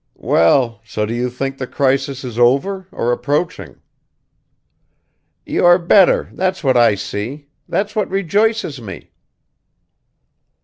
"Well, so do you think the crisis is over or approaching?" "You're better, that's what I see, that's what rejoices me.